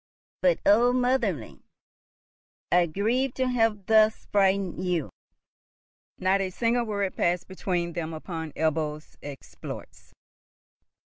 But oh, motherling! I grieve to have thus frightened you." Not a single word passed between them upon Ebbo's exploits.